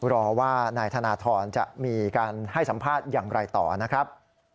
รอว่านายธนทรจะมีการให้สัมภาษณ์อย่างไรต่อนะครับ